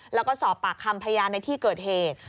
แล้วก็สอบปากคำพยานในที่เกิดเหตุ